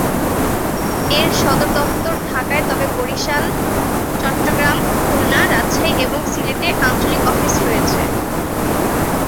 এর সদর দফতর ঢাকায় তবে বরিশাল, চট্টগ্রাম, খুলনা, রাজশাহী এবং সিলেটে আঞ্চলিক অফিস রয়েছে।